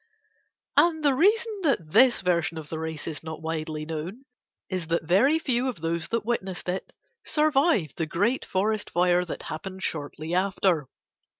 And the reason that this version of the race is not widely known is that very few of those that witnessed it survived the great forest fire that happened shortly after.